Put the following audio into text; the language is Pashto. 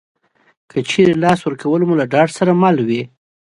که چېرې لاس ورکول مو له ډاډ سره مل وي